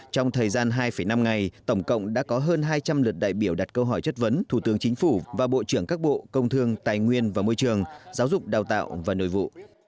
trong thời gian hai năm ngày tổng cộng đã có hơn hai trăm linh lượt đại biểu đặt câu hỏi chất vấn thủ tướng chính phủ và bộ trưởng các bộ công thương tài nguyên và môi trường giáo dục đào tạo và nội vụ